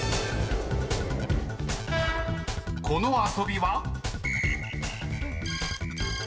［この遊びは？］